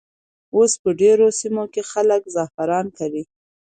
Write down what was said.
اوس په ډېرو سیمو کې خلک زعفران کري.